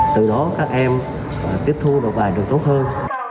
từ đó các em tiếp thu được bài trường tốt hơn